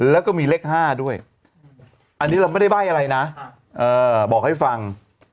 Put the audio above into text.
แล้วก็มีเลข๕ด้วยอันนี้เราไม่ได้ใบ้อะไรนะบอกให้ฟัง